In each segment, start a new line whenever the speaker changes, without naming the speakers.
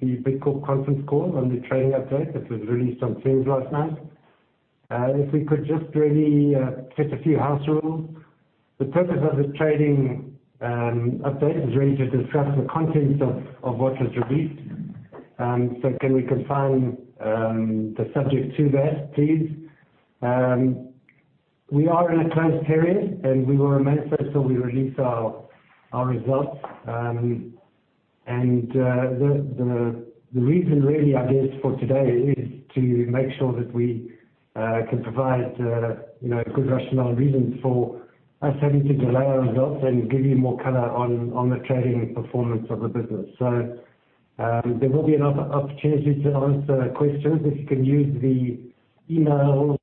The Bidcorp conference call on the trading update that was released on Tuesday last night. If we could just really set a few house rules. The purpose of this trading update is really to discuss the contents of what was released. Can we confine the subject to that, please? We are in a closed period, and we will remain so till we release our results. The reason really, I guess, for today is to make sure that we can provide good rationale and reasons for us having to delay our results and give you more color on the trading performance of the business. There will be an opportunity to answer questions, if you can use the email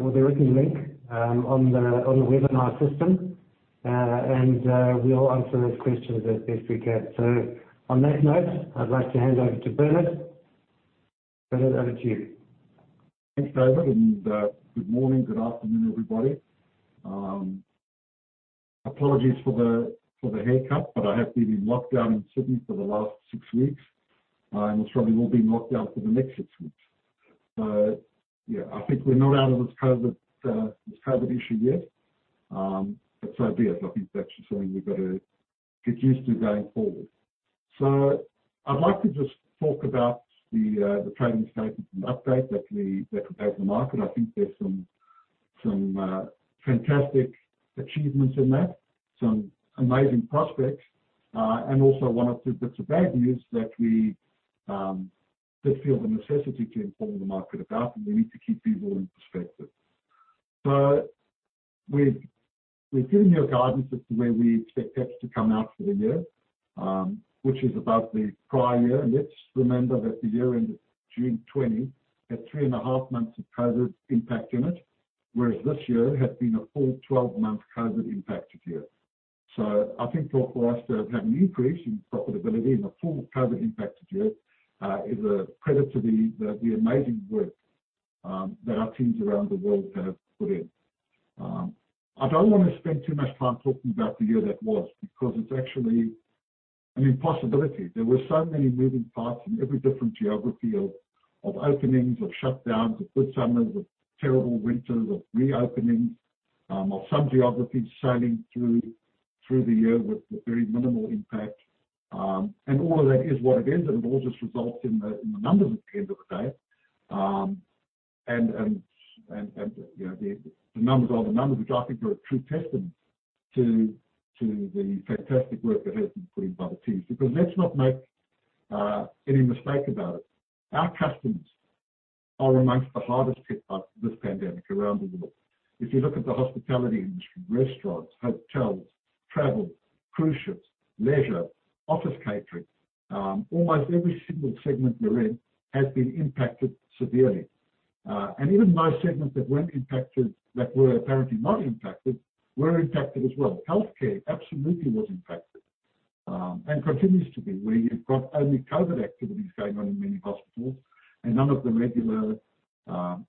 or the written link on the webinar system. We'll answer those questions as best we can. On that note, I'd like to hand over to Bernard. Bernard, over to you.
Thanks, David, and good morning, good afternoon, everybody. Apologies for the haircut, but I have been in lockdown in Sydney for the last six weeks. We probably will be in lockdown for the next six weeks. Yeah, I think we're not out of this COVID issue yet. So be it. I think that's just something we've got to get used to going forward. I'd like to just talk about the trading statement and update that we put out to the market. I think there are some fantastic achievements in that, some amazing prospects, and also one or two bits of bad news that we just feel the necessity to inform the market about, and we need to keep people in perspective. We've given you a guidance as to where we expect EPS to come out for the year, which is above the prior year. Let's remember that the year end of June 2020 had three and a half months of COVID impact in it, whereas this year has been a full 12-month COVID impacted year. I think for us to have had an increase in profitability in a full COVID impacted year is a credit to the amazing work that our teams around the world have put in. I don't want to spend too much time talking about the year that was, because it's actually an impossibility. There were so many moving parts in every different geography of openings, of shutdowns, of good summers, of terrible winters, of reopening, of some geographies sailing through the year with very minimal impact. All of that is what it is. It all just results in the numbers at the end of the day. The numbers are the numbers, which I think are a true testament to the fantastic work that has been put in by the teams. Let's not make any mistake about it. Our customers are amongst the hardest hit by this pandemic around the world. If you look at the hospitality industry, restaurants, hotels, travel, cruise ships, leisure, office catering, almost every single segment we're in has been impacted severely. Even those segments that were apparently not impacted, were impacted as well. Healthcare absolutely was impacted, and continues to be, where you've got only COVID activities going on in many hospitals and none of the regular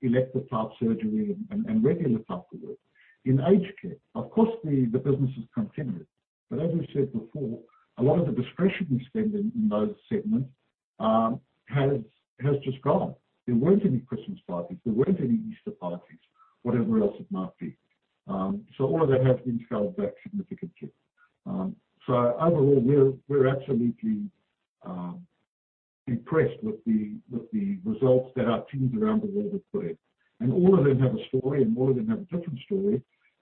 elective type surgery and regular type of work. In aged care, of course the business is continued, but as we said before, a lot of the discretionary spend in those segments has just gone. There weren't any Christmas parties; there weren't any Easter parties, whatever else it might be. All of that has been scaled back significantly. Overall, we're absolutely impressed with the results that our teams around the world have put in. All of them have a story, and all of them have a different story.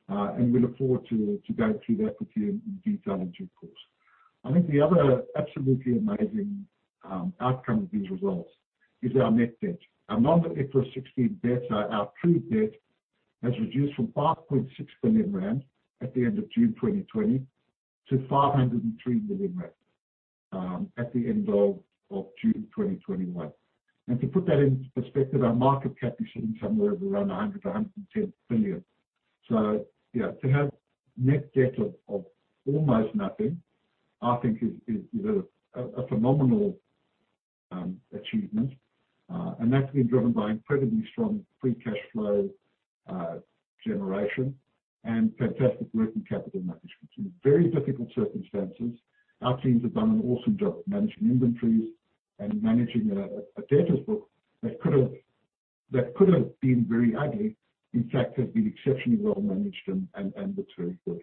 We look forward to going through that with you in detail in due course. I think the other absolutely amazing outcome of these results is our net debt. Our non-IFRS 16 debt, our true debt, has reduced from 5.6 billion rand at the end of June 2020 to 503 million rand, at the end of June 2021. To put that into perspective, our market cap is sitting somewhere around 100 billion-110 billion. Yeah, to have net debt of almost nothing, I think is a phenomenal achievement. That's been driven by incredibly strong free cash flow generation and fantastic working capital management. In very difficult circumstances, our teams have done an awesome job of managing inventories and managing a debtors book that could have been very ugly. In fact, has been exceptionally well managed and that's very good.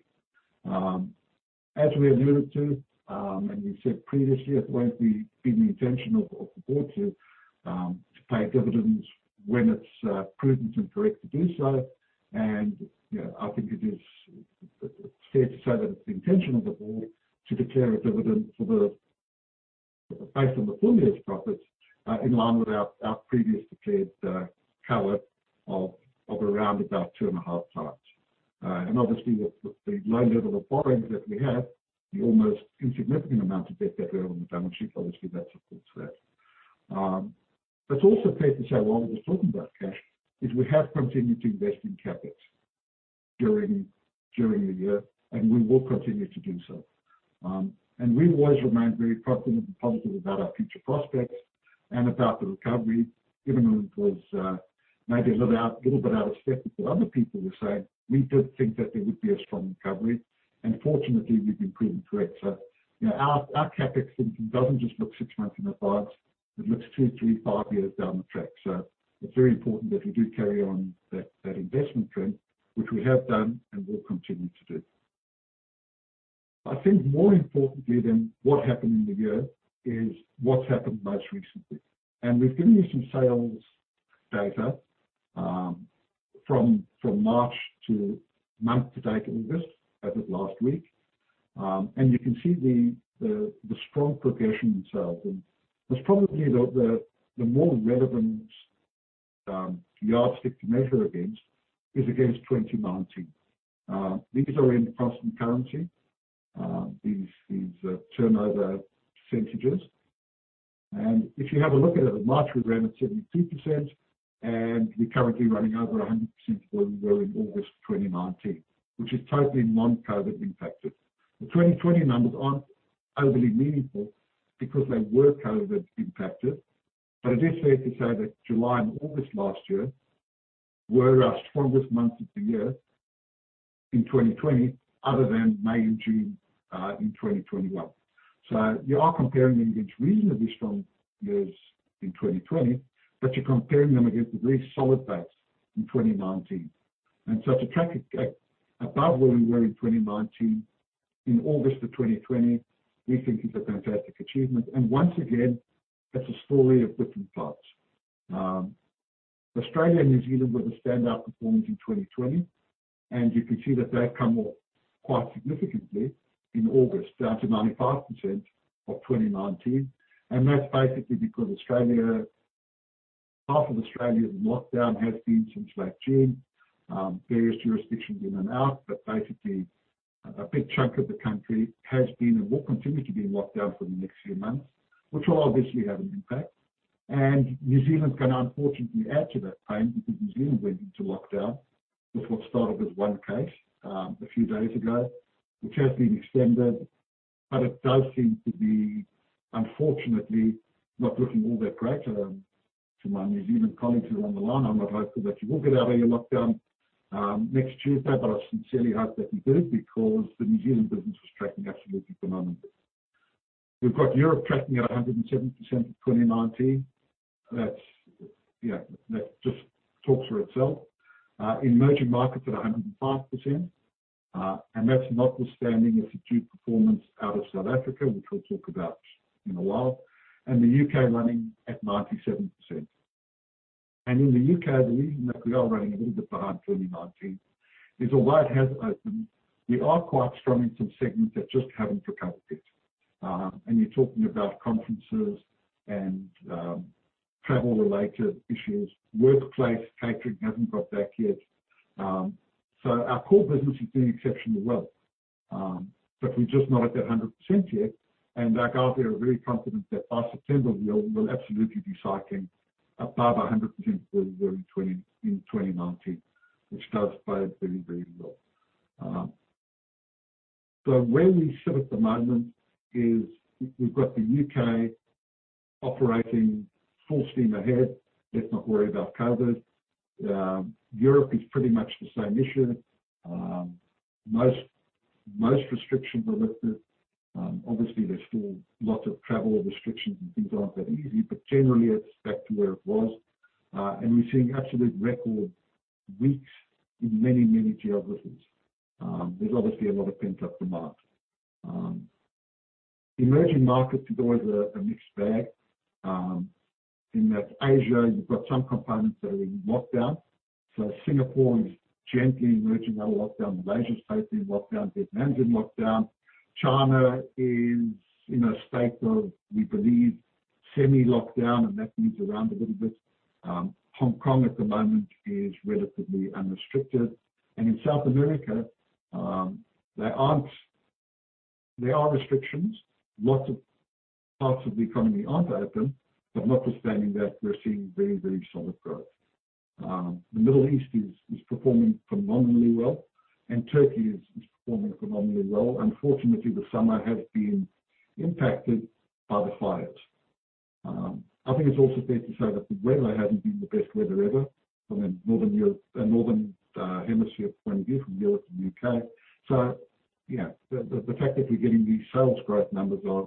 As we alluded to, and we've said previously, it won't be the intention of the board to pay dividends when it's prudent and correct to do so. I think it is fair to say that it's the intention of the board to declare a dividend based on the full year's profits, in line with our previous declared cover of around about 2.5x. Obviously with the low level of borrowing that we have, the almost insignificant amount of debt that we have on the balance sheet, obviously that supports that. It's also fair to say, while we were talking about cash, is we have continued to invest in CapEx during the year, and we will continue to do so. We always remain very confident and positive about our future prospects. About the recovery, even though it was maybe a little bit out of step with what other people were saying, we did think that there would be a strong recovery. Fortunately, we've been proven correct. Our CapEx thinking doesn't just look six months in advance, it looks two, three, five years down the track. It's very important that we do carry on that investment trend, which we have done and will continue to do. I think more importantly than what happened in the year is what's happened most recently. We've given you some sales data from March to month to date in August as of last week. You can see the strong progression in sales. What's probably the more relevant yardstick to measure against is against 2019. These are in constant currency, these turnover percentages. If you have a look at it, at March we were around at 72%, and we're currently running over 100% where we were in August 2019, which is totally non-COVID impacted. The 2020 numbers aren't overly meaningful because they were COVID impacted. It is fair to say that July and August last year were our strongest months of the year in 2020, other than May and June in 2021. You are comparing against reasonably strong years in 2020, but you're comparing them against a very solid base in 2019. To track above where we were in 2019 in August of 2020, we think is a fantastic achievement. Once again, that's a story of different parts. Australia and New Zealand were the standout performers in 2020, and you can see that they've come off quite significantly in August, down to 95% of 2019. That's basically because half of Australia's lockdown has been since late June. Various jurisdictions in and out, but basically, a big chunk of the country has been and will continue to be locked down for the next few months, which will obviously have an impact. New Zealand's gone, unfortunately, out of that time because New Zealand went into lockdown with what started with one case a few days ago, which has been extended. It does seem to be, unfortunately, not looking all that great. To my New Zealand colleagues who are on the line, I'm not hopeful that you will get out of your lockdown next Tuesday, I sincerely hope that you do, because the New Zealand business was tracking absolutely phenomenally. We've got Europe tracking at 107% of 2019. That just talks for itself. Emerging markets at 105%, and that's notwithstanding a subdued performance out of South Africa, which we'll talk about in a while, and the U.K. running at 97%. In the U.K., the reason that we are running a little bit behind 2019 is although it has opened, we are quite strong in some segments that just haven't recovered yet. You're talking about conferences and travel related issues. Workplace catering hasn't got back yet. Our core business is doing exceptionally well. We're just not at that 100% yet. Like out there, we're very confident that by September of the year, we will absolutely be cycling above 100% where we were in 2019, which does bode very, very well. Where we sit at the moment is we've got the U.K. operating full steam ahead, let's not worry about COVID. Europe is pretty much the same issue. Most restrictions are lifted. Obviously, there's still lots of travel restrictions and things aren't that easy, but generally it's back to where it was. We're seeing absolute record weeks in many, many geographies. There's obviously a lot of pent-up demand. Emerging markets is always a mixed bag. In that Asia, you've got some components that are in lockdown. Singapore is gently emerging out of lockdown. Malaysia is facing lockdown. Vietnam's in lockdown. China is in a state of, we believe, semi-lockdown, and that moves around a little bit. Hong Kong at the moment is relatively unrestricted. In South America, there are restrictions. Lots of parts of the economy aren't open, but notwithstanding that, we're seeing very, very solid growth. The Middle East is performing phenomenally well, and Turkey is performing phenomenally well. Unfortunately, the summer has been impacted by the fires. I think it's also fair to say that the weather hasn't been the best weather ever from a Northern Hemisphere point of view, from Europe and U.K. The fact that we're getting these sales growth numbers are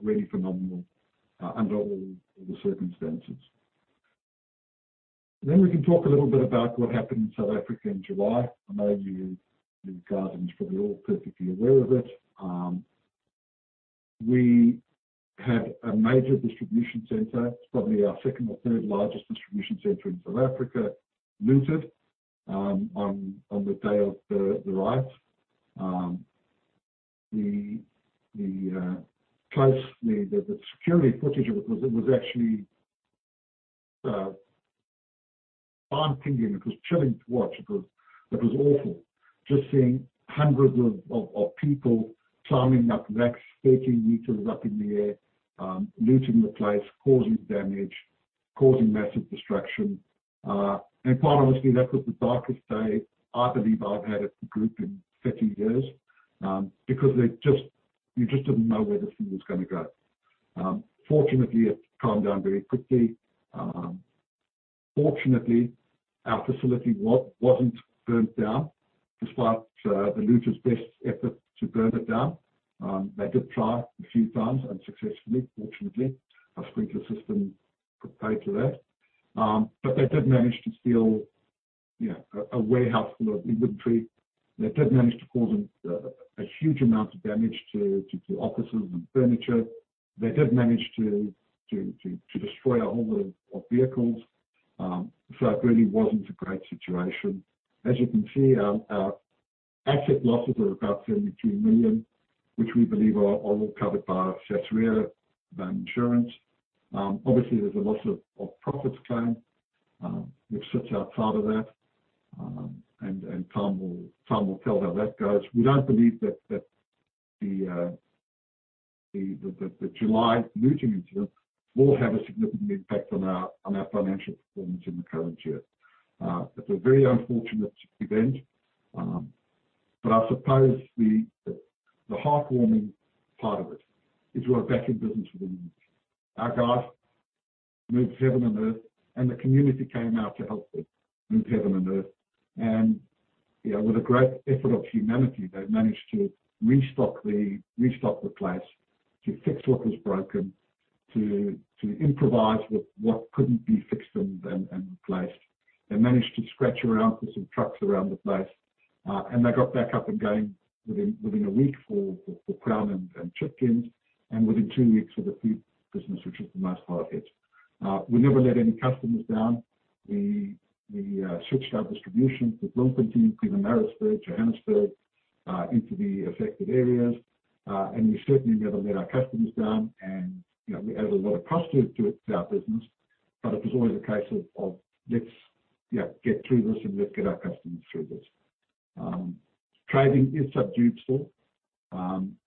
really phenomenal under all the circumstances. We can talk a little bit about what happened in South Africa in July. I know you guys are probably all perfectly aware of it. We had a major distribution center, it's probably our second or third largest distribution center in South Africa, looted on the day of the riots. The security footage of it was actually haunting you, and it was chilling to watch. It was awful. Just seeing hundreds of people climbing up racks, 18 meters up in the air, looting the place, causing damage. Causing massive destruction. Quite honestly, that was the darkest day I believe I've had at the group in 30 years, because you just didn't know where this thing was going to go. Fortunately, it calmed down very quickly. Fortunately, our facility wasn't burnt down, despite the looters' best effort to burn it down. They did try a few times unsuccessfully. Fortunately, our sprinkler system could pay to that. They did manage to steal a warehouse full of inventory. They did manage to cause a huge amount of damage to offices and furniture. They did manage to destroy a whole load of vehicles. It really wasn't a great situation. As you can see, our asset losses were about 72 million, which we believe are all covered by Sasria insurance. Obviously, there's a loss of profits claim, which sits outside of that. Time will tell how that goes. We don't believe that the July looting incident will have a significant impact on our financial performance in the current year. It's a very unfortunate event. I suppose the heartwarming part of it is we were back in business within a week. Our guys moved heaven and earth, and the community came out to help them move heaven and earth. With a great effort of humanity, they managed to restock the place to fix what was broken, to improvise with what couldn't be fixed and replaced. They managed to scratch around for some trucks around the place. They got back up and going within one week for the Crown National and Chipkins, and within two weeks for the food business, which was the most hard hit. We never let any customers down. We switched our distribution to Bloemfontein, Pietermaritzburg, Johannesburg, into the affected areas. We certainly never let our customers down. We added a lot of cost to our business. It was always a case of, let's get through this and let's get our customers through this. Trading is subdued still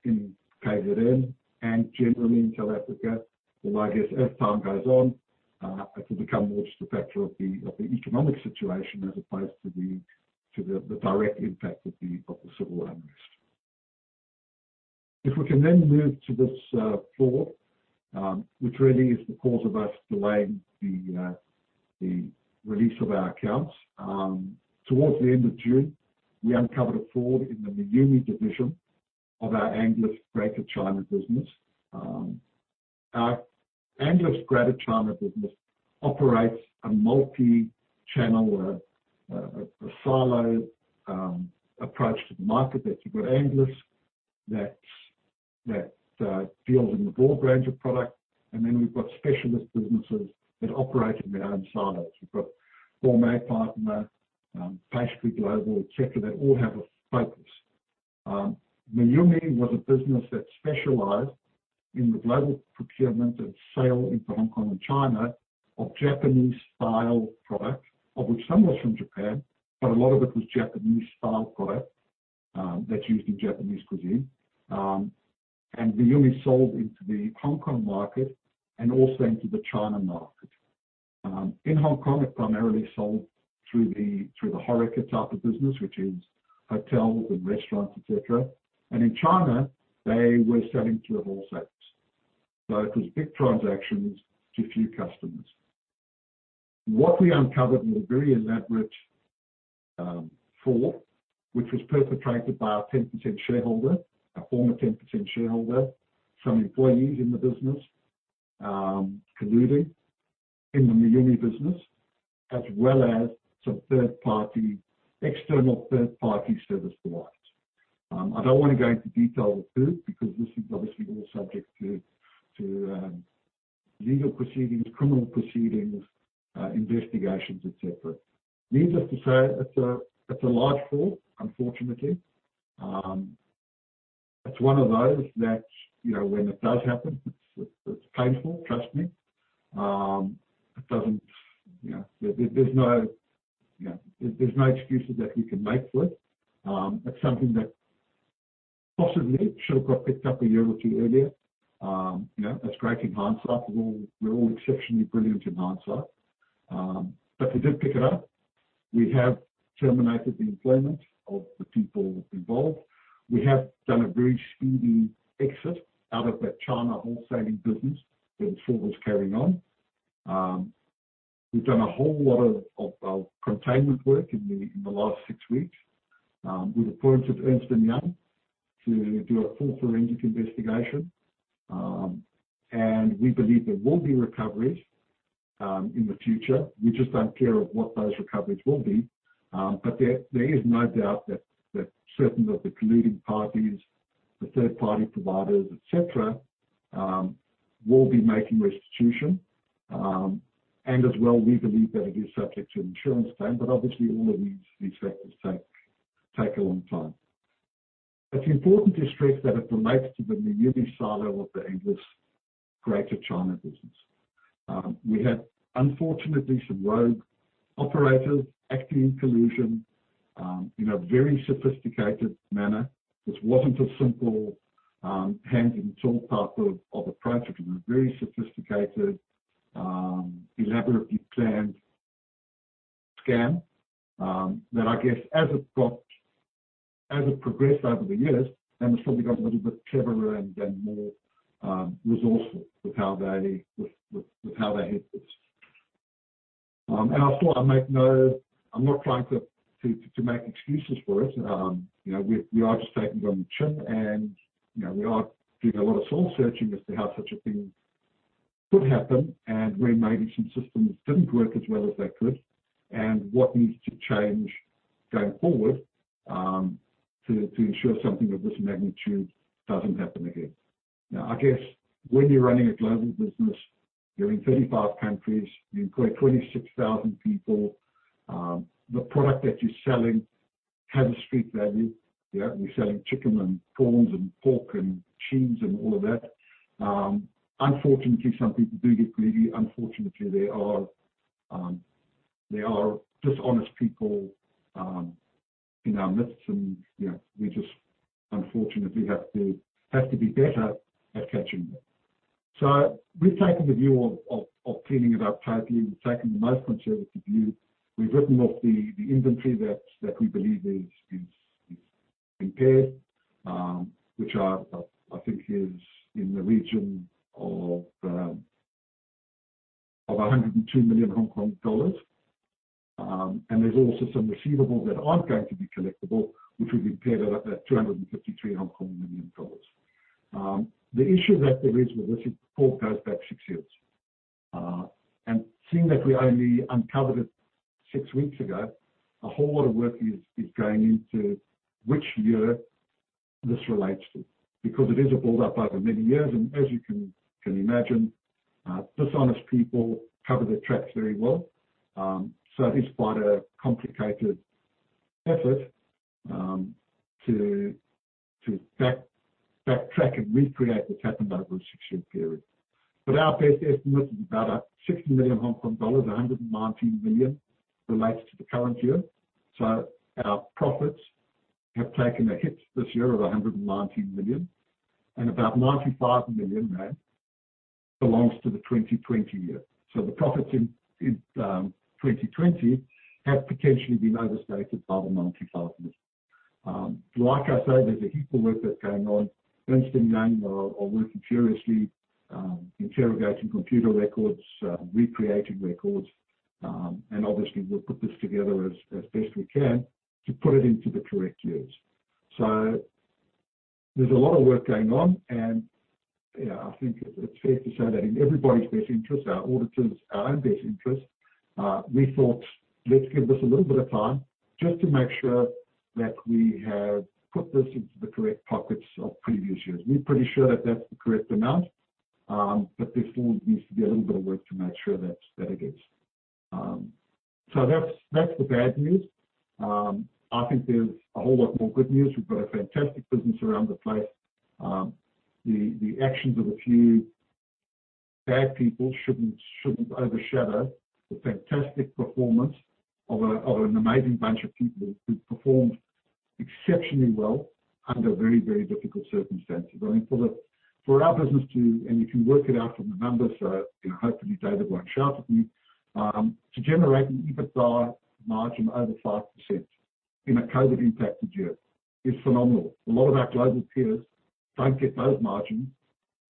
in KZN and generally in South Africa, although I guess as time goes on, it will become more just a factor of the economic situation as opposed to the direct impact of the civil unrest. If we can move to this fraud, which really is the cause of us delaying the release of our accounts. Towards the end of June, we uncovered a fraud in the Miumi division of our Angliss Greater China business. Our Angliss Greater China business operates a multi-channel or a siloed approach to the market that you've got Angliss that deals in the broad range of product, and then we've got specialist businesses that operate in their own silos. We've got Formad Partner, Pastry Global, et cetera. They all have a focus. Miumi was a business that specialized in the global procurement and sale into Hong Kong and China of Japanese-style products, of which some was from Japan, but a lot of it was Japanese-style product that's used in Japanese cuisine. Miumi sold into the Hong Kong market and also into the China market. In Hong Kong, it primarily sold through the HORECA type of business, which is hotels and restaurants, et cetera. In China, they were selling to wholesalers. It was big transactions to few customers. What we uncovered was a very elaborate fraud, which was perpetrated by our 10% shareholder, a former 10% shareholder, some employees in the business colluding in the Miumi business, as well as some third-party, external third-party service providers. I don't want to go into detail with who, because this is obviously all subject to legal proceedings, criminal proceedings, investigations, et cetera. Needless to say, it's a large fraud, unfortunately. It's one of those that when it does happen, it's painful, trust me. There's no excuses that we can make for it. It's something that possibly should have got picked up a year or two earlier. That's great insight. We're all exceptionally brilliant in hindsight. We did pick it up. We have terminated the employment of the people involved. We have done a very speedy exit out of that China wholesaling business where the fraud was carrying on. We've done a whole lot of containment work in the last six weeks. We've appointed Ernst & Young to do a full forensic investigation. We believe there will be recoveries in the future. We just aren't clear of what those recoveries will be. There is no doubt that certain of the colluding parties, the third-party providers, et cetera, will be making restitution. As well, we believe that it is subject to an insurance claim. Obviously, all of these factors take a long time. It's important to stress that it relates to the Miumi silo of the Angliss Greater China business. We had, unfortunately, some rogue operators acting in collusion. In a very sophisticated manner. This wasn't a simple hand-in-glove type of approach. It was a very sophisticated, elaborately planned scam that I guess as it progressed over the years, they must have become a little bit cleverer and more resourceful with how they hid this. I thought, I'm not trying to make excuses for it. We are just taking it on the chin and we are doing a lot of soul-searching as to how such a thing could happen and where maybe some systems didn't work as well as they could and what needs to change going forward, to ensure something of this magnitude doesn't happen again. I guess when you're running a global business, you're in 35 countries, you employ 26,000 people. The product that you're selling has a street value. You're selling chicken and prawns and pork and cheese and all of that. Unfortunately, some people do get greedy. Unfortunately, there are dishonest people in our midst and we just unfortunately have to be better at catching them. We've taken the view of cleaning it up totally. We've taken the most conservative view. We've written off the inventory that we believe is impaired, which I think is in the region of HKD 102 million. There's also some receivables that aren't going to be collectible, which we've impaired at 253 million dollars. The issue that there is with this, it all goes back six years. Seeing that we only uncovered it six weeks ago, a whole lot of work is going into which year this relates to, because it is a build-up over many years. As you can imagine, dishonest people cover their tracks very well. It is quite a complicated effort to backtrack and recreate what's happened over a six-year period. Our best estimate is about 160 million Hong Kong dollars. 119 million relates to the current year. Our profits have taken a hit this year of 119 million, and about HKD 95 million there belongs to the 2020 year. The profits in 2020 have potentially been overstated by the 95 million. Like I say, there's a heap of work that's going on. Ernst & Young are working furiously, interrogating computer records, recreating records. Obviously, we'll put this together as best we can to put it into the correct years. There's a lot of work going on, and I think it's fair to say that in everybody's best interest, our auditors, our own best interest, we thought, let's give this a little bit of time just to make sure that we have put this into the correct pockets of previous years. We're pretty sure that that's the correct amount, but there still needs to be a little bit of work to make sure that it is. That's the bad news. I think there's a whole lot more good news. We've got a fantastic business around the place. The actions of a few bad people shouldn't overshadow the fantastic performance of an amazing bunch of people who've performed exceptionally well under very, very difficult circumstances. I mean, for our business to, and you can work it out from the numbers, hopefully David won't shout at me. To generate an EBITDA margin over 5% in a COVID-impacted year is phenomenal. A lot of our global peers don't get those margins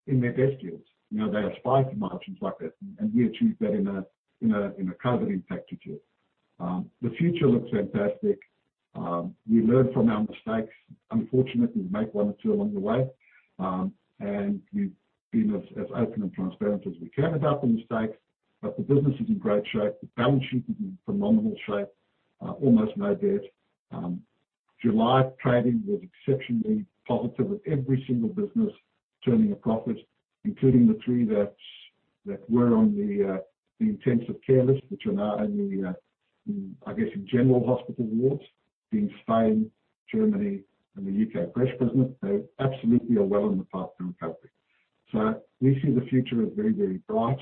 in their best years. They aspire to margins like that, and we achieved that in a COVID-impacted year. The future looks fantastic. We learn from our mistakes. Unfortunately, we make one or two along the way. We've been as open and transparent as we can about the mistakes. The business is in great shape. The balance sheet is in phenomenal shape. Almost no debt. July trading was exceptionally positive with every single business turning a profit, including the three that were on the intensive care list, which are now only, I guess, in general hospital wards in Spain, Germany, and the U.K. fresh business. They absolutely are well on the path to recovery. We see the future as very, very bright.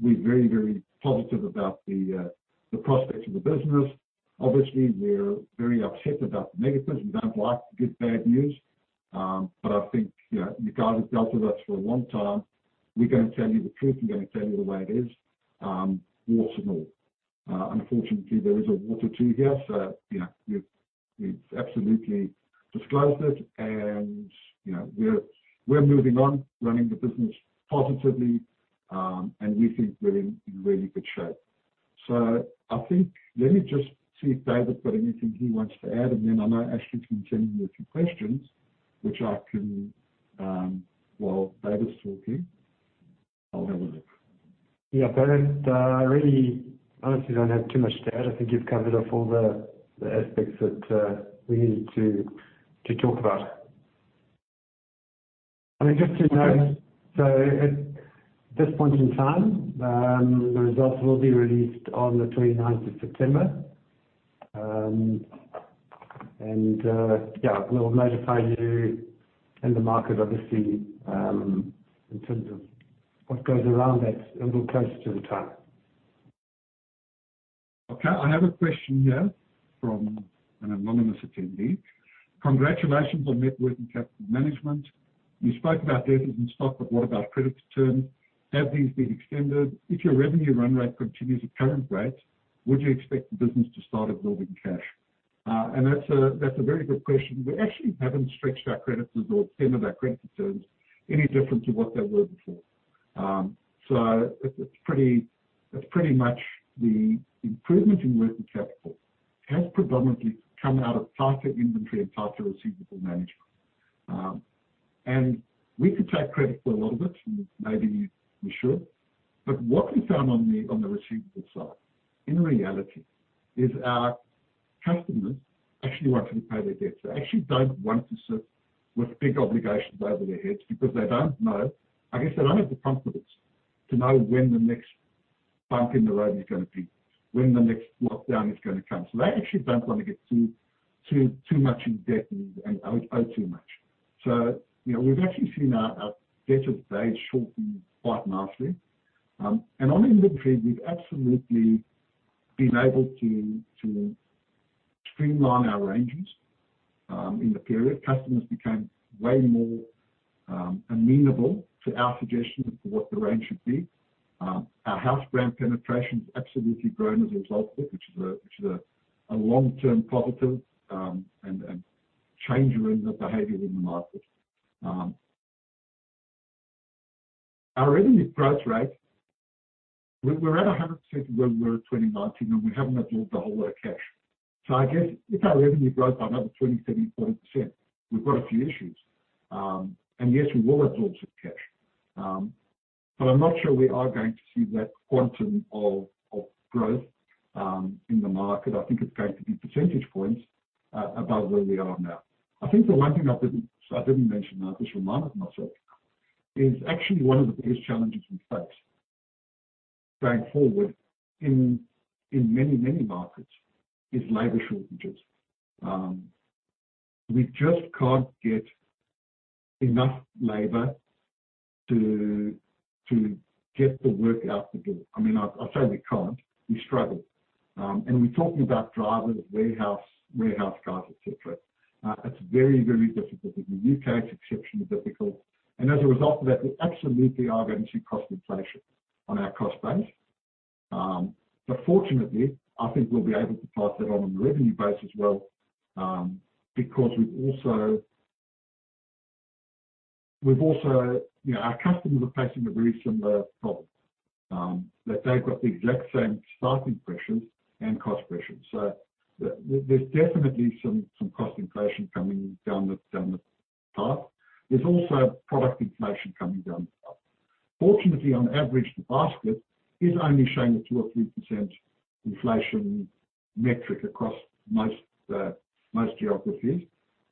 We're very, very positive about the prospects of the business. Obviously, we're very upset about the negatives. We don't like to give bad news. I think you guys have dealt with us for a long time. We're going to tell you the truth. We're going to tell you the way it is, warts and all. Unfortunately, there is a wart or two here, so we've absolutely disclosed it and we're moving on, running the business positively. We think we're in really good shape. I think, let me just see if David's got anything he wants to add, and then I know Ashley can send me a few questions, which I can, while David's talking, I'll have a look.
Yeah. Bernard, I really honestly don't have too much to add. I think you've covered off all the aspects that we needed to talk about. I mean, just to note, at this point in time, the results will be released on the 29th of September. Yeah, we'll notify you and the market, obviously, in terms of. What goes around that a little closer to the time.
Okay, I have a question here from an anonymous attendee. "Congratulations on net working capital management. You spoke about debtors and stock, but what about credit terms? Have these been extended? If your revenue run rate continues at current rates, would you expect the business to start absorbing cash?" That's a very good question. We actually haven't stretched our credit facilities or extended our credit terms any different to what they were before. It's pretty much the improvement in working capital has predominantly come out of tighter inventory and tighter receivable management. We could take credit for a lot of it, and maybe we should. What we found on the receivable side, in reality, is our customers actually want to pay their debts. They actually don't want to sit with big obligations over their heads because they don't know. I guess they don't have the confidence to know when the next bump in the road is going to be, when the next lockdown is going to come. They actually don't want to get too much in debt and owe too much. We've actually seen our days shorten quite nicely. On inventory, we've absolutely been able to streamline our ranges in the period. Customers became way more amenable to our suggestions of what the range should be. Our house brand penetration's absolutely grown as a result of it, which is a long-term positive and change in the behavior in the market. Our revenue growth rate, we're at 100% where we were at 2019, and we haven't absorbed a whole lot of cash. I guess if our revenue grows by another 20%, 30%, 40%, we've got a few issues. Yes, we will absorb some cash. I'm not sure we are going to see that quantum of growth in the market. I think it's going to be percentage points above where we are now. I think the one thing I didn't mention, I just reminded myself, is actually one of the biggest challenges we face going forward in many, many markets is labor shortages. We just can't get enough labor to get the work out the door. I mean, I say we can't, we struggle. We're talking about drivers, warehouse guys, et cetera. It's very, very difficult. In the U.K., it's exceptionally difficult. As a result of that, we absolutely are going to see cost inflation on our cost base. Fortunately, I think we'll be able to pass that on the revenue base as well, because our customers are facing a very similar problem. They've got the exact same staffing pressures and cost pressures. There's definitely some cost inflation coming down the path. There's also product inflation coming down the path. Fortunately, on average, the basket is only showing a 2% or 3% inflation metric across most geographies.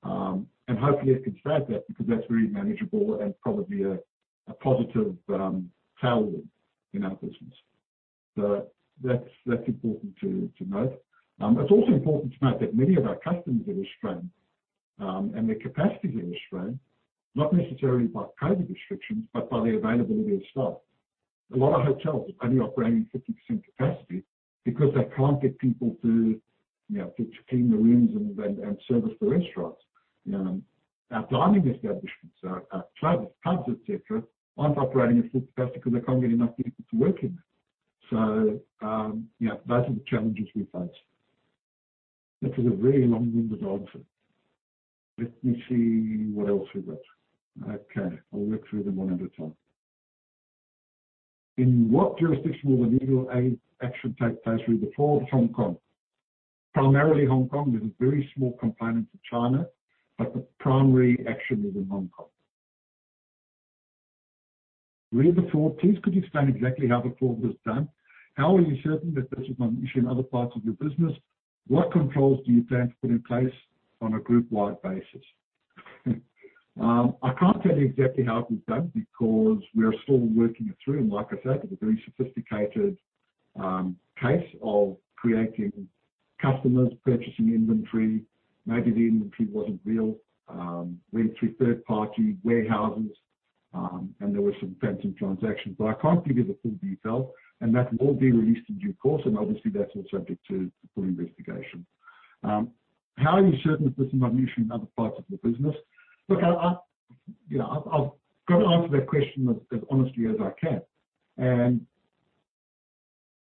Hopefully it can stay at that because that's very manageable and probably a positive tailwind in our business. That's important to note. It's also important to note that many of our customers are restrained, and their capacities are restrained, not necessarily by COVID restrictions, but by the availability of staff. A lot of hotels are only operating 50% capacity because they can't get people to clean the rooms and service the restaurants. Our dining establishments, our clubs, pubs, et cetera, aren't operating at full capacity because they can't get enough people to work in there. Those are the challenges we face. This is a very long-winded answer. Let me see what else we've got. Okay, I'll work through them one at a time. "In what jurisdiction will the legal aid action take place with the fraud, Hong Kong?" Primarily Hong Kong. There's a very small component to China, but the primary action is in Hong Kong. "Re the fraud, please could you explain exactly how the fraud was done? How are you certain that this is not an issue in other parts of your business? What controls do you plan to put in place on a group-wide basis?" I can't tell you exactly how it was done because we are still working it through, and like I said, it was a very sophisticated case of creating customers purchasing inventory. Maybe the inventory wasn't real. Went through third party warehouses, and there were some phantom transactions. I can't give you the full detail, and that will all be released in due course, and obviously that's all subject to full investigation. "How are you certain that this is not an issue in other parts of your business?" Look, I've got to answer that question as honestly as I can.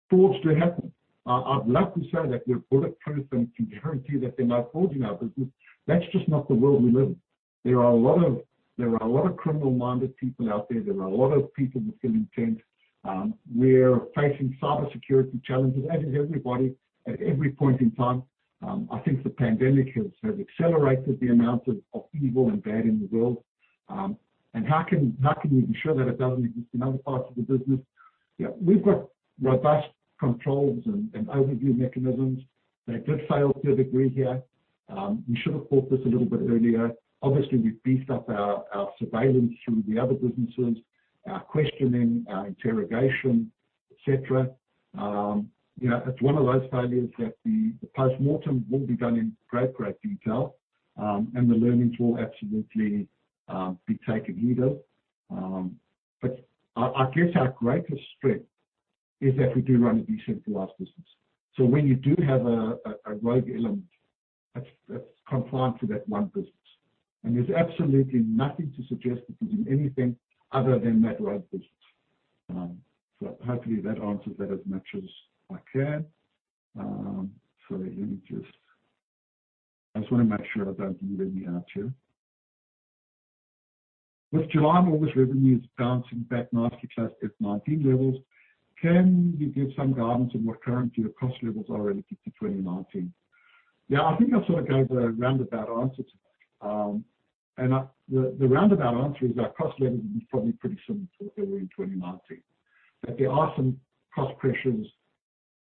Frauds do happen. I'd love to say that we're bulletproof and can guarantee you that there are no frauds in our business. That's just not the world we live in. There are a lot of criminal-minded people out there. There are a lot of people with ill intent. We're facing cybersecurity challenges, as is everybody, at every point in time. I think the pandemic has accelerated the amount of evil and bad in the world. How can we ensure that it doesn't exist in other parts of the business? We've got robust controls and overview mechanisms. They did fail to a degree here. We should have caught this a little bit earlier. Obviously, we've beefed up our surveillance through the other businesses, our questioning, our interrogation et cetera. It's one of those failures that the postmortem will be done in great detail, and the learnings will absolutely be taken heed of. I guess our greatest strength is that we do run a decentralized business. When you do have a rogue element, that's confined to that one business. There's absolutely nothing to suggest that we did anything other than that rogue business. Hopefully that answers that as much as I can. Sorry, I just want to make sure I don't leave any out here. With July and August revenues bouncing back nicely to F19 levels, can you give some guidance on what currently your cost levels are relative to 2019? Yeah, I think I sort of gave a roundabout answer to that. The roundabout answer is our cost levels will be probably pretty similar to what they were in 2019. There are some cost pressures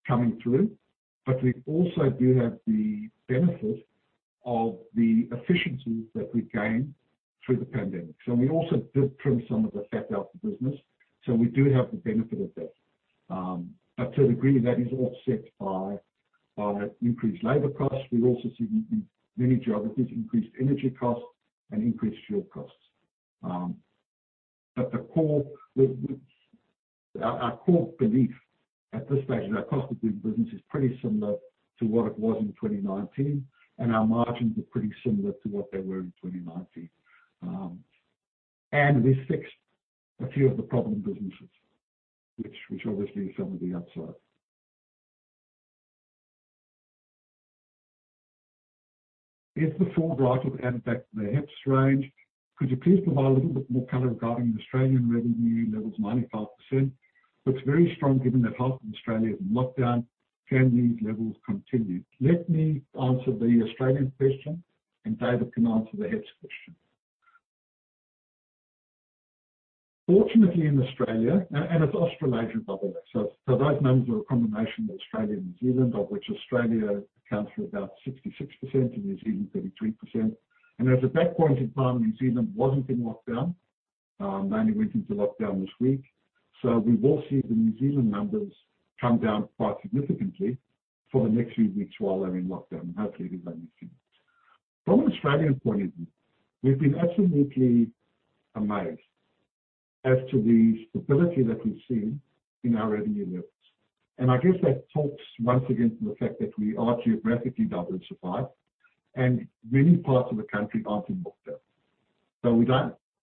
coming through. We also do have the benefit of the efficiencies that we gained through the pandemic. We also did trim some of the fat out the business, so we do have the benefit of that. To a degree, that is offset by increased labor costs. We also see in many geographies increased energy costs and increased fuel costs. Our core belief at this stage is our cost of doing business is pretty similar to what it was in 2019, and our margins are pretty similar to what they were in 2019. We fixed a few of the problem businesses, which obviously is some of the upside. Is the full write-off added back to the HEPS range? Could you please provide a little bit more color regarding the Australian revenue levels, 95%? It's very strong given that half of Australia is in lockdown. Can these levels continue? Let me answer the Australian question, and David can answer the HEPS question. Fortunately, in Australia, and it's Australasia, by the way. Those numbers are a combination of Australia and New Zealand, of which Australia accounts for about 66% and New Zealand 33%. At that point in time, New Zealand wasn't in lockdown. They only went into lockdown this week. We will see the New Zealand numbers come down quite significantly for the next few weeks while they're in lockdown. Hopefully, it is only a few weeks. From an Australian point of view, we've been absolutely amazed as to the stability that we've seen in our revenue levels. I guess that talks once again to the fact that we are geographically diverse, right? Many parts of the country aren't in lockdown.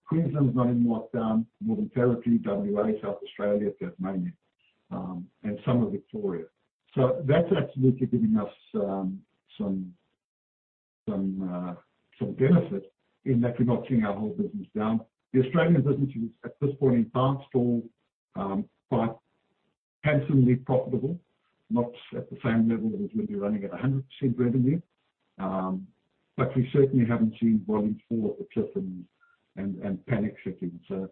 Queensland is not in lockdown, Northern Territory, W.A., South Australia, Tasmania, and some of Victoria. That's absolutely giving us some benefit in that we're not seeing our whole business down. The Australian business is, at this point in time, still quite handsomely profitable. Not at the same level as we'd be running at 100% revenue. We certainly haven't seen volumes fall off a cliff and panic setting in.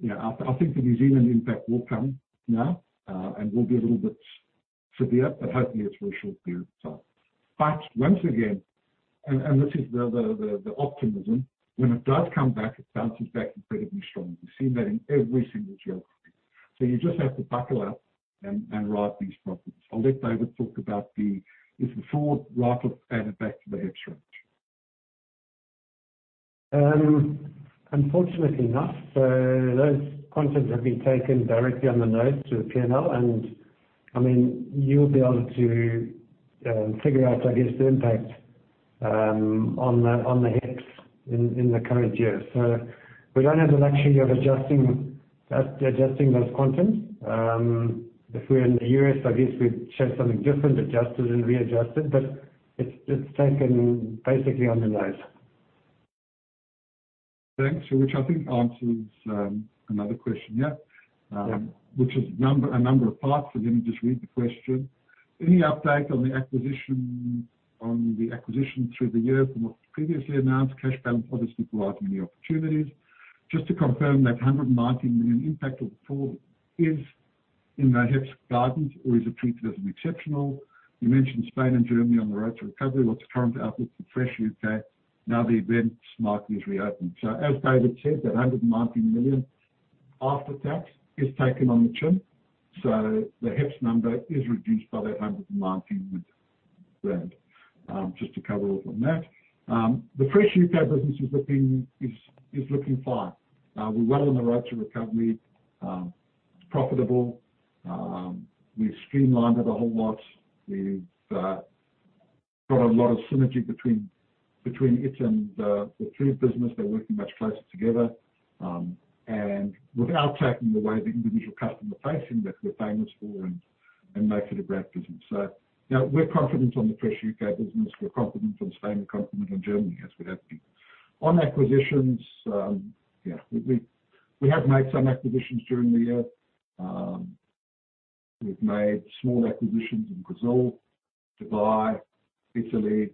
Yeah, I think the New Zealand impact will come now, and will be a little bit severe, but hopefully it's for a short period of time. Once again, and this is the optimism, when it does come back, it bounces back incredibly strongly. We've seen that in every single geography. You just have to buckle up and ride these problems. I'll let David talk about the, is the full write-off added back to the HEPS range.
Unfortunately not. Those quantums have been taken directly on the nose to the P&L, and you'll be able to figure out, I guess, the impact on the HEPS in the current year. We don't have the luxury of adjusting those quantum. If we were in the U.S., I guess we'd show something different, adjust it and readjust it, but it's taken basically on the nose.
Thanks. Which I think answers another question, yeah?
Yeah.
Which is a number of parts. Let me just read the question. Any update on the acquisition through the year from what was previously announced? Cash balance obviously to out any opportunities. Just to confirm that 119 million impact of the full is in the HEPS guidance or is it treated as an exceptional? You mentioned Spain and Germany on the road to recovery. What's the current outlook for Bidfresh now the events market is reopened? As David said, that 119 million after-tax is taken on the chin. The HEPS number is reduced by that 119 million rand. Just to cover off on that. The Bidfresh business is looking fine. We're well on the road to recovery. It's profitable. We've streamlined it a whole lot. We've got a lot of synergy between it and the fruit business. They're working much closer together. Without taking away the individual customer facing that we're famous for and make it a great business. Yeah, we're confident on the Bidfresh business. We're confident on Spain and confident on Germany as we have been. On acquisitions, yeah, we have made some acquisitions during the year. We've made small acquisitions in Brazil, Dubai, Italy,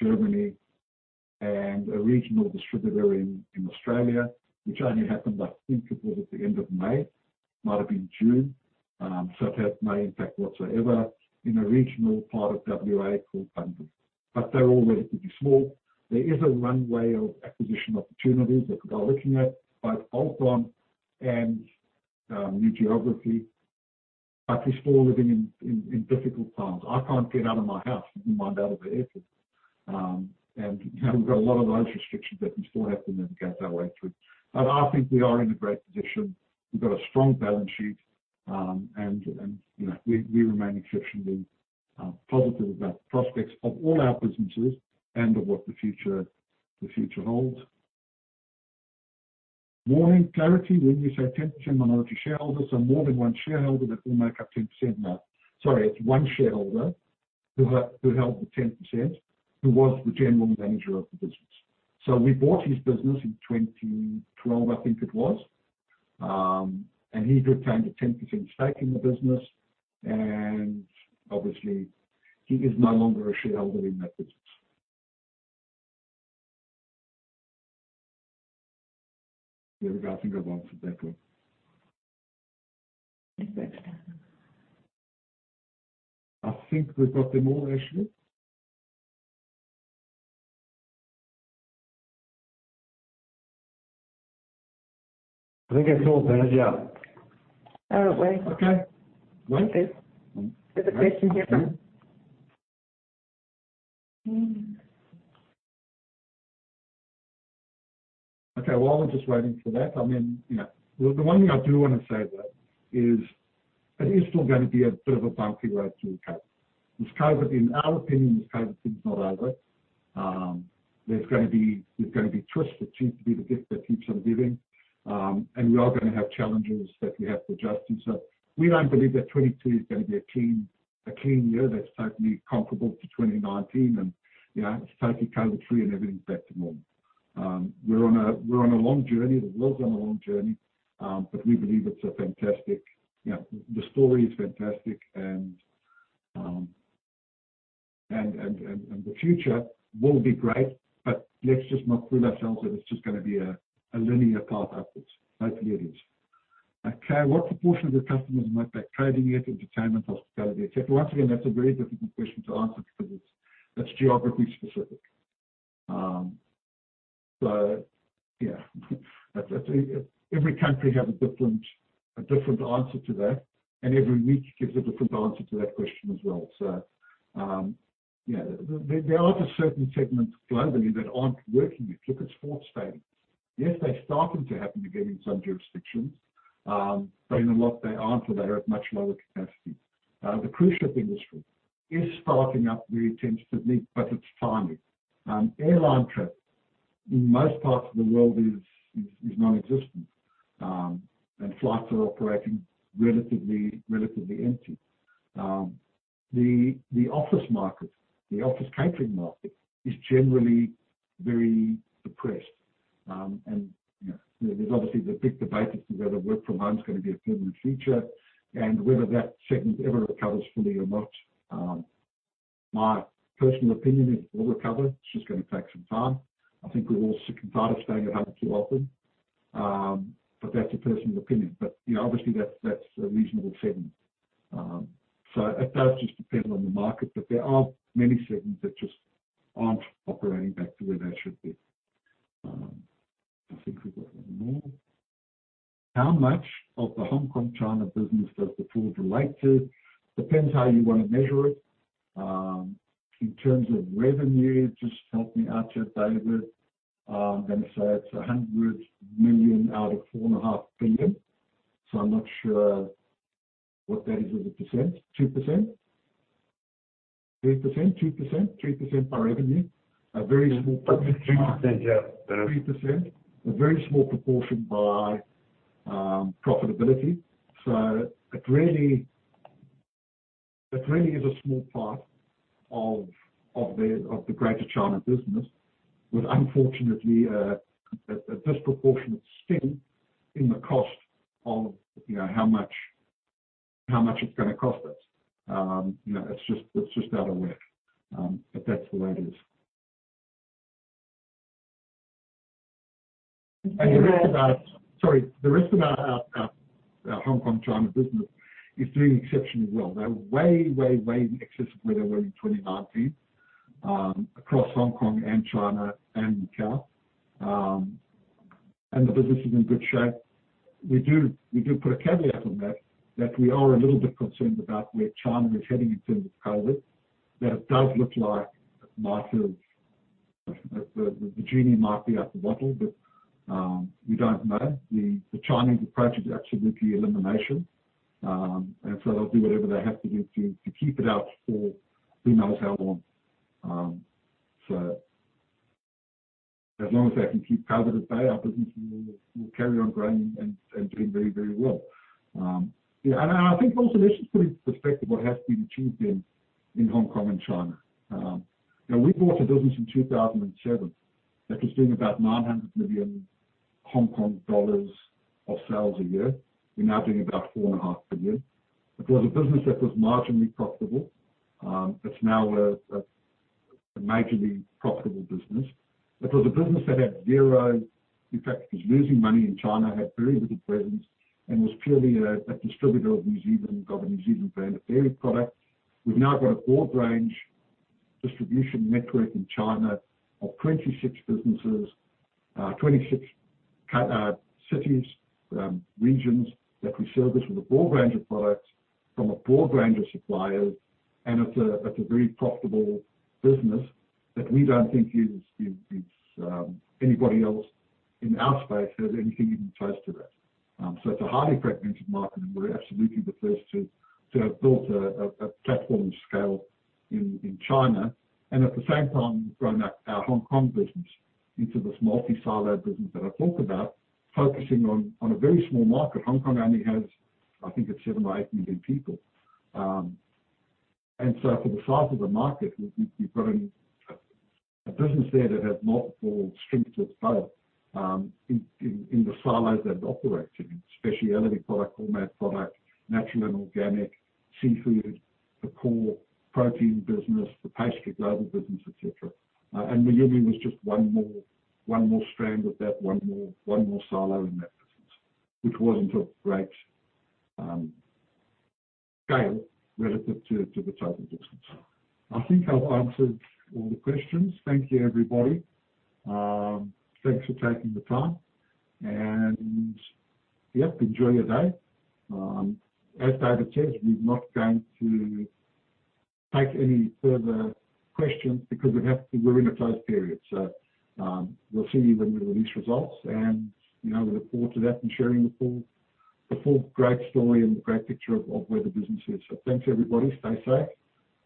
Germany, and a regional distributor in Australia, which only happened, I think it was at the end of May. Might have been June. It has no impact whatsoever in a regional part of W.A. called Bunbury. They're all relatively small. There is a runway of acquisition opportunities that we are looking at, both bolt-on and new geography. We're still living in difficult times. I can't get out of my house, let alone out of the airfield. We've got a lot of those restrictions that we still have to navigate our way through. I think we are in a great position. We've got a strong balance sheet, and we remain exceptionally positive about the prospects of all our businesses and of what the future holds. More clarity. When you say 10% minority shareholders, more than one shareholder that will make up 10% now. Sorry, it's one shareholder who held the 10%, who was the general manager of the business. We bought his business in 2012, I think it was. He retained a 10% stake in the business, and obviously, he is no longer a shareholder in that business. Yeah, I think I've answered that one.
Thanks.
I think we've got them all, actually. I think that's all, yeah.
I don't worry.
Okay.
Okay. There's a question here.
Okay. While we're just waiting for that, the one thing I do want to say, though, is it is still going to be a bit of a bumpy road to recover. With COVID, in our opinion, this COVID thing's not over. There's going to be twists. It seems to be the gift that keeps on giving. We are going to have challenges that we have to adjust to. We don't believe that 2022 is going to be a clean year that's totally comparable to 2019 and totally COVID free and everything's back to normal. We're on a long journey. The world's on a long journey. We believe it's fantastic. The story is fantastic, and the future will be great. Let's just not fool ourselves that it's just going to be a linear path upwards. Hopefully, it is. Okay. What proportion of your customers might be trading it, entertainment, hospitality, et cetera? Once again, that's a very difficult question to answer because it's geography specific. Yeah. Every country has a different answer to that, and every week gives a different answer to that question as well. There are just certain segments globally that aren't working yet. Look at sports stadiums. Yes, they're starting to happen again in some jurisdictions. In a lot, they aren't, or they're at much lower capacity. The cruise ship industry is starting up, very tentatively, but it's timely. Airline travel in most parts of the world is non-existent, and flights are operating relatively empty. The office catering market is generally very depressed. There's obviously the big debate as to whether work from home is going to be a permanent feature and whether that segment ever recovers fully or not. My personal opinion is it will recover. It's just going to take some time. I think we're all sick and tired of staying at home too often. That's a personal opinion. Obviously, that's a reasonable segment. It does just depend on the market, but there are many segments that just aren't operating back to where they should be. I think we've got one more. How much of the Hong Kong, China business does the food relate to? Depends how you want to measure it. In terms of revenue, just help me out here, David. I'm going to say it's 100 million out of 4.5 billion. I'm not sure what that is as a percent. 2%? 3%? 2%? 3% by revenue. A very small-
3%, yeah.
3%. A very small proportion by profitability. It really is a small part of the greater China business with, unfortunately, a disproportionate sting in the cost of how much it's going to cost us. It's just out of whack. That's the way it is. Sorry. The rest of our Hong Kong, China business is doing exceptionally well. They're way in excess of where they were in 2019 across Hong Kong and China and Macau. The business is in good shape. We do put a caveat on that we are a little bit concerned about where China is heading in terms of COVID, that it does look like the genie might be out of the bottle, but we don't know. The Chinese approach is absolutely elimination. They'll do whatever they have to do to keep it out for who knows how long. As long as they can keep COVID at bay, our business will carry on growing and doing very well. I think also let's just put it in perspective what has been achieved then in Hong Kong and China. We bought the business in 2007. That was doing about 900 million Hong Kong dollars of sales a year. We're now doing about 4.5 per year. It was a business that was marginally profitable. It's now a majorly profitable business. It was a business that had zero, in fact, it was losing money in China, had very little presence, and was purely a distributor of a New Zealand brand of dairy product. We've now got a broad range distribution network in China of 26 businesses, 26 cities, regions that we service with a broad range of products from a broad range of suppliers. It's a very profitable business that we don't think anybody else in our space has anything even close to that. It's a highly fragmented market, and we're absolutely the first to have built a platform of scale in China. At the same time, we've grown our Hong Kong business into this multi-siloed business that I talk about, focusing on a very small market. Hong Kong only has, I think it's 7 million or 8 million people. For the size of the market, we've grown a business there that has multiple strings to its bow in the silos that operate in specialty product, format product, natural and organic, seafood, the core protein business, the Pastry Global business, et cetera. Miumi was just one more strand of that, one more silo in that business. Which wasn't of great scale relative to the total business. I think I've answered all the questions. Thank you, everybody. Thanks for taking the time. Yep, enjoy your day. As David says, we're not going to take any further questions because we're in a closed period. We'll see you when we release results and we look forward to that and sharing the full great story and the great picture of where the business is. Thanks, everybody. Stay safe.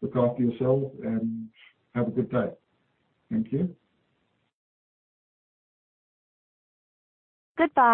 Look after yourselves, and have a good day. Thank you.
Goodbye